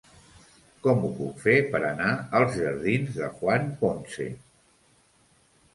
Com ho puc fer per anar als jardins de Juan Ponce?